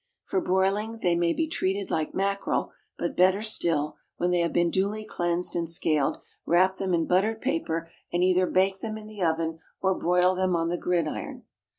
For broiling they may be treated like mackerel, but, better still, when they have been duly cleansed and scaled, wrap them in buttered paper, and either bake them in the oven or broil them on the gridiron.